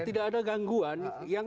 tidak ada gangguan